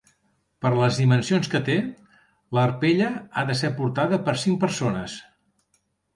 Per les dimensions que té, l'Arpella ha de ser portada per cinc persones.